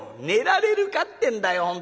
「寝られるかってんだよ